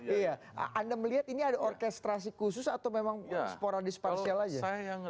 iya anda melihat ini ada orkestrasi khusus atau memang sporadis parsial saja